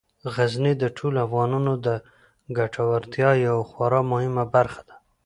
غزني د ټولو افغانانو د ګټورتیا یوه خورا مهمه برخه ده.